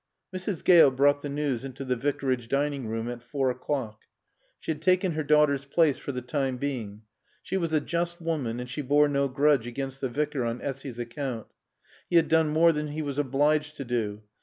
Mrs. Gale brought the news into the Vicarage dining room at four o'clock. She had taken her daughter's place for the time being. She was a just woman and she bore no grudge against the Vicar on Essy's account. He had done no more than he was obliged to do.